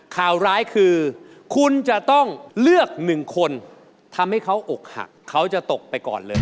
ข่าวร้ายคือคุณจะต้องเลือกหนึ่งคนทำให้เขาอกหักเขาจะตกไปก่อนเลย